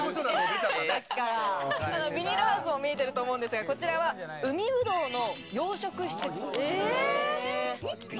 ビニールハウス見えていると思うんですが、こちらは海ブドウの養殖施設。